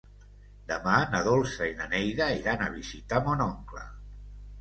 Demà na Dolça i na Neida iran a visitar mon oncle.